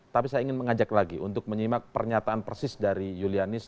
tapi saya ingin mengajak lagi untuk menyimak pernyataan persis dari julianis